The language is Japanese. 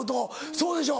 そうでしょ？